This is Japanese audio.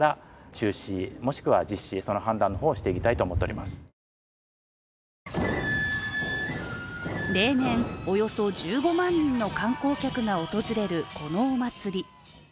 しかし、気になるのが例年およそ１５万人の観光客が訪れるこのお祭り。